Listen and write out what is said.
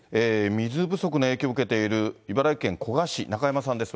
水不足の影響を受けている茨城県古河市、中山さんです。